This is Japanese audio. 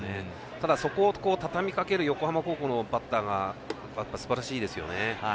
ただ、そこをたたみかける横浜高校のバッターすばらしいですよね。